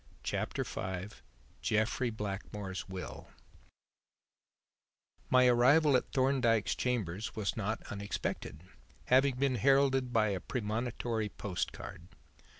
Chapter V Jeffrey Blackmore's Will My arrival at Thorndyke's chambers was not unexpected, having been heralded by a premonitory post card.